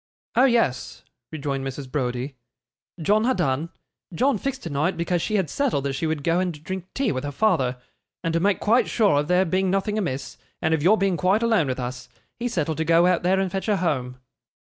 'Oh yes,' rejoined Mrs. Browdie. 'John ha' done. John fixed tonight, because she had settled that she would go and drink tea with her father. And to make quite sure of there being nothing amiss, and of your being quite alone with us, he settled to go out there and fetch her home.